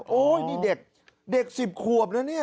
โอ้โฮนี่เด็ก๑๐ขวบนะเนี่ย